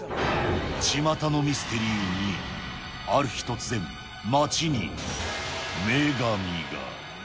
ちまたのミステリー２、ある日、突然、町に女神が！